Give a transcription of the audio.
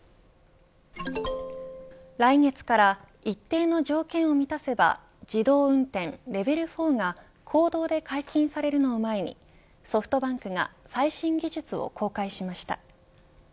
来月から一定の条件を満たせば自動運転レベル４が公道で解禁されるのを前にソフトバンクが最新技術を公開しました。